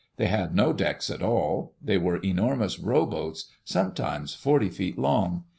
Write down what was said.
They had no decks at all. They were enormous rowboats, sometimes forty feet long.